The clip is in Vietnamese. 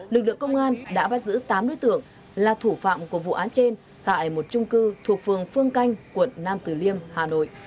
lực lượng công an đã bắt giữ tám đối tượng là thủ phạm của vụ án trên tại một trung cư thuộc phường phương canh quận nam từ liêm hà nội